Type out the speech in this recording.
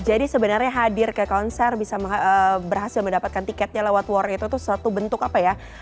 jadi sebenarnya hadir ke konser bisa berhasil mendapatkan tiketnya lewat war itu tuh satu bentuk apa ya